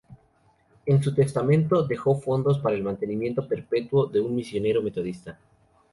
En su testamento dejó fondos para el mantenimiento perpetuo de un misionero metodista.